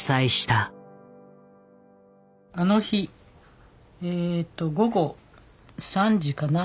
あの日えと午後３時かな